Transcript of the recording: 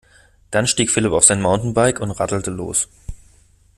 Dann stieg Philipp auf sein Mountainbike und radelte los.